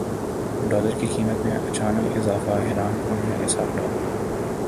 dollar کی قیمت میں اچانک اضافہ حیران کن ہے اسحاق ڈار